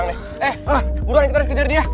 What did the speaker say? eh buruan kita harus kejar dia